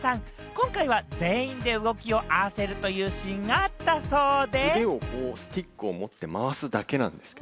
今回は全員で動きを合わせるというシーンがあったそうで。